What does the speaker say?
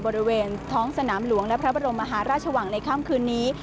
บริเวณท้องสนามหลวงและพระบรมมหาราชวังในค่ำคืนนี้